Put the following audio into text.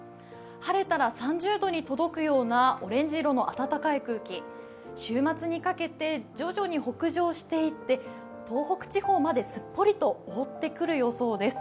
晴れたら３０度に届くようなオレンジ色の暖かい空気、週末にかけて徐々に北上していって、東北地方まですっぽりと覆ってくる予想です。